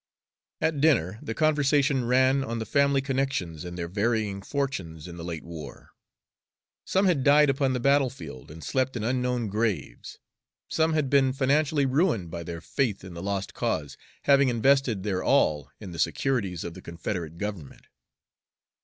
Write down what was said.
At dinner the conversation ran on the family connections and their varying fortunes in the late war. Some had died upon the battlefield, and slept in unknown graves; some had been financially ruined by their faith in the "lost cause," having invested their all in the securities of the Confederate Government.